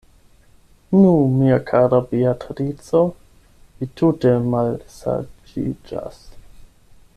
Nu, mia kara Beatrico, vi tute malsaĝiĝas.